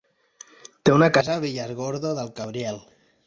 Té una casa a Villargordo del Cabriel.